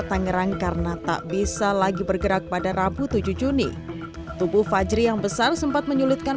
tangerang karena tak bisa lagi bergerak pada rabu tujuh juni tubuh fajri yang besar sempat menyulitkan